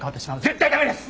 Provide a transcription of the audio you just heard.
絶対駄目です！！